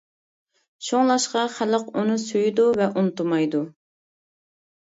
شۇڭلاشقا، خەلق ئۇنى سۆيىدۇ ۋە ئۇنتۇمايدۇ.